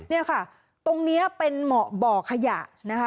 นี่ค่ะตรงนี้เป็นเหมาะบ่อขยะนะคะ